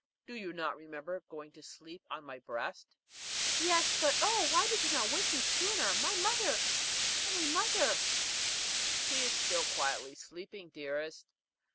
"Do you not remember going to sleep on my breast?" "Yes; but oh, why did you not wake me sooner? My mother my mother " "She is still quietly sleeping, dearest.